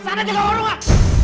sana jaga warung ah